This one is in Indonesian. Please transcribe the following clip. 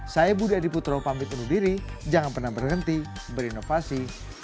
saya budi adiputro pamit undur diri jangan pernah berhenti berinovasi